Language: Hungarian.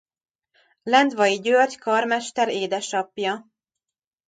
Lendvai György karmester édesapja.